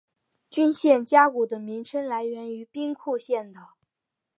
军舰加古的名称来源于兵库县的。